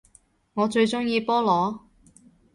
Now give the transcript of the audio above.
我最鍾意菠蘿